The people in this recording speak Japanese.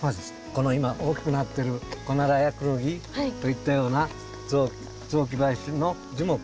この今大きくなってるコナラやクヌギといったような雑木林の樹木